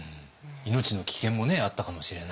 命の危険もあったかもしれない中で。